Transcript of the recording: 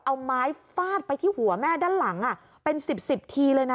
เอาไม้ฟาดไปที่หัวแม่ด้านหลังเป็น๑๐ทีเลยนะ